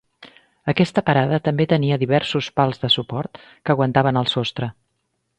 Aquesta parada també tenia diversos pals de suport que aguantaven el sostre.